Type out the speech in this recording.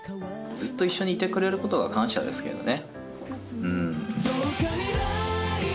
ずっと一緒にいてくれることが感謝ですけれどね。